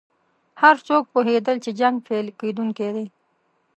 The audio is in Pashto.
هر څوک پوهېدل چې جنګ پیل کېدونکی دی.